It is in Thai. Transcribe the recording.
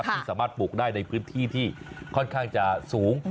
ที่สามารถปลูกได้ในพื้นที่ที่ค่อนข้างจะสูง